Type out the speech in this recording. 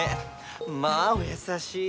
まあおやさしい。